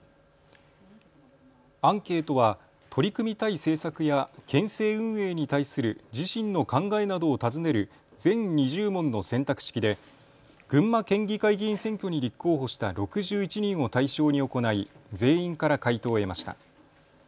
アンケートは取り組みたい政策や県政運営に対する自身の考えなどを尋ねる全２０問の選択式で群馬県議会議員選挙に立候補した６１人を対象に行い全員から回答を得ました。